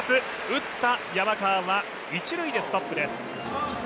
打った山川は一塁でストップです。